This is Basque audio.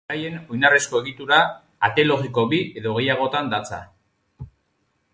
Beraien oinarrizko egitura, ate logiko bi edo gehiagotan datza.